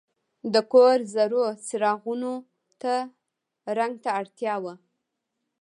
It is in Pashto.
د کور زړو څراغونو ته رنګ ته اړتیا وه.